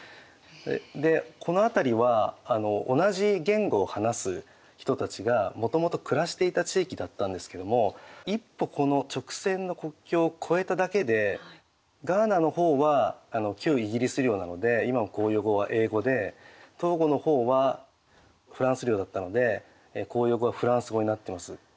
でこの辺りは同じ言語を話す人たちがもともと暮らしていた地域だったんですけども一歩この直線の国境を越えただけでガーナの方は旧イギリス領なので今も公用語は英語でトーゴの方はフランス領だったので公用語はフランス語になってます。